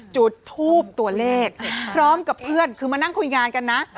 จุดทูบตัวเลขพร้อมกับเพื่อนคือมานั่งคุยงานกันนะ